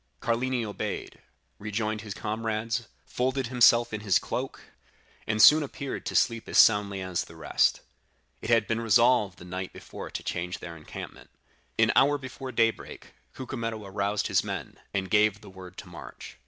"Carlini obeyed, rejoined his comrades, folded himself in his cloak, and soon appeared to sleep as soundly as the rest. It had been resolved the night before to change their encampment. An hour before daybreak, Cucumetto aroused his men, and gave the word to march.